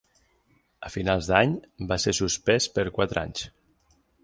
A finals d'anys va ser suspès per quatre anys.